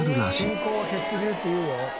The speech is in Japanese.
健康は血流っていうよ。